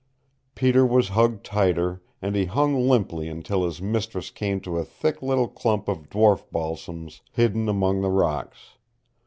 Peter was hugged tighter, and he hung limply until his mistress came to a thick little clump of dwarf balsams hidden among the rocks.